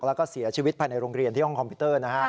แล้วก็เสียชีวิตภายในโรงเรียนที่ห้องคอมพิวเตอร์นะฮะ